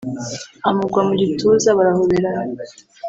amugwa mu gituza barahoberana